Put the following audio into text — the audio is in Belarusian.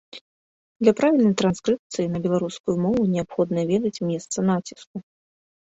Для правільнай транскрыпцыі на беларускую мову неабходна ведаць месца націску.